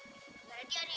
gara dia nih